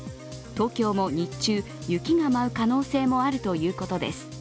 東京も日中、雪が舞う可能性もあるということです。